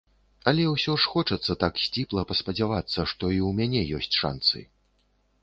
Але ўсё ж хочацца так сціпла паспадзявацца, што і ў мяне ёсць шанцы.